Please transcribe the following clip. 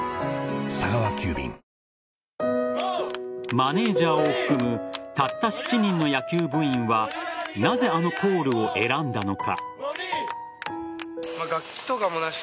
マネージャーを含むたった７人の野球部員はなぜ、あのコールを選んだのか。